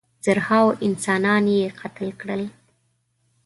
زرهاوو انسانان یې قتل کړل.